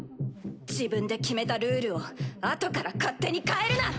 自分で決めたルールをあとから勝手に変えるな。